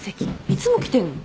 いつも来てるの？